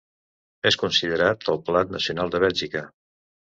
És considerat el plat nacional de Bèlgica.